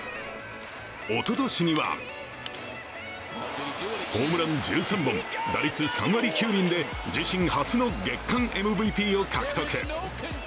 おととしにはホームラン１３本、打率３割９厘で自身初の月間ＭＶＰを獲得。